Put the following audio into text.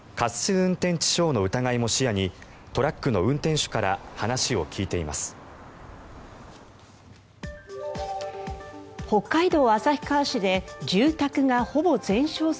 運転致傷の疑いも視野にトラックの運転手から話を聞いています。